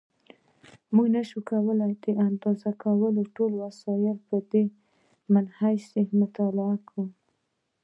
مونږ نشو کولای د اندازه کولو ټول وسایل په دې مبحث کې مطالعه کړو.